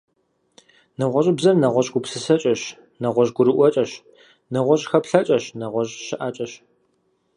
НэгъуэщӀыбзэр — нэгъуэщӀ гупсысэкӀэщ, нэгъуэщӀ гурыӀуэкӀэщ, нэгъуэщӀ хэплъэкӀэщ, нэгъуэщӀ щыӀэкӀэщ.